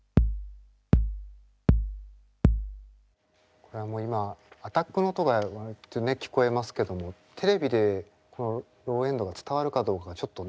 これはもう今アタックの音が割と聞こえますけどもテレビでこのローエンドが伝わるかどうかがちょっとね。